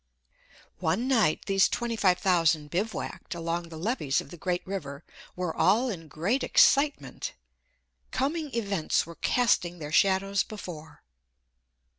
One night these twenty five thousand bivouacked along the levees of the great river were all in great excitement. "Coming events were casting their shadows before."